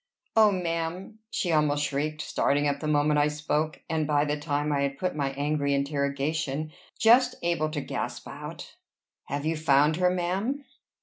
"O ma'am!" she almost shrieked, starting up the moment I spoke, and, by the time I had put my angry interrogation, just able to gasp out "Have you found her, ma'am?"